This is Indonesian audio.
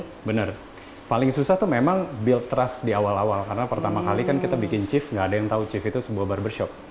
iya bener paling susah tuh memang build trust di awal awal karena pertama kali kan kita bikin chief nggak ada yang tahu chief itu sebuah barbershop